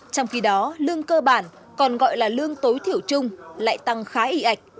trong khi đó lương cơ bản còn gọi là lương tối thiểu chung lại tăng khá ị ạch